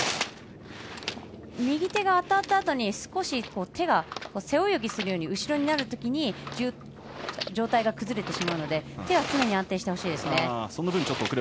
右手があたったあとに少し手が背泳ぎするように後ろになるときに上体が崩れてしまうので手は常に安定してほしいです。